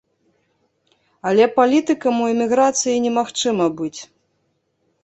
Але палітыкам у эміграцыі немагчыма быць.